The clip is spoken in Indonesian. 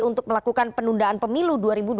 untuk melakukan penundaan pemilu